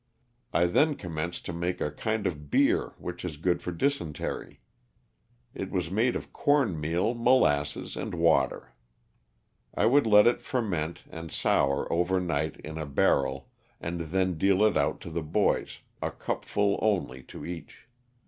I then commenced to make a kind of beer which is good for dysentery. It was made of corn meal, molasses and water. I would let it ferment and sour over night in a barrel, and then deal it out to the boys, a cupful only to each.